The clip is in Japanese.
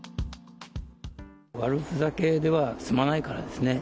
悪ふざけでは済まないからですね。